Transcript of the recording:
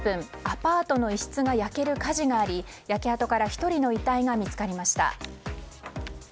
アパートの一室が焼ける火事があり焼け跡から１人の遺体が見つかりました。